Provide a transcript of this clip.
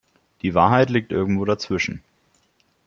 Die Wahrheit liegt irgendwo dazwischen.